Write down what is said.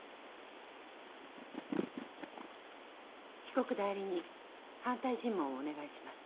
被告代理人反対尋問をお願いします。